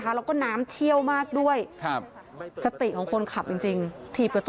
โหถึงจมลงไปใช่มั้ย